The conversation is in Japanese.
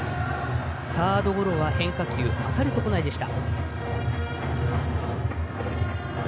サードゴロは変化球の当たり損ないでした。